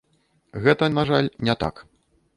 Гэта, на жаль, не так.